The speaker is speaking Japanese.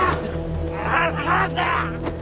離せ！